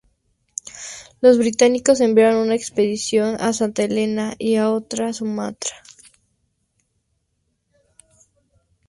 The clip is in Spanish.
Los británicos enviaron una expedición a Santa Helena y otra a Sumatra.